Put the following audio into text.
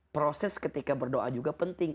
proses ketika berdoa juga penting